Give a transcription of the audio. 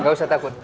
nggak usah takut